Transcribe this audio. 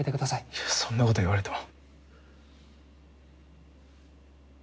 いやそんなこと言われても。